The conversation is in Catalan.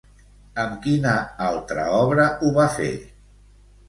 Amb quina altra obra ho va fer?